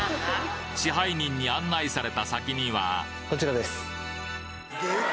支配人に案内された先にはでか！